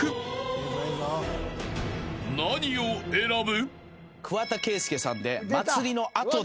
［何を選ぶ？］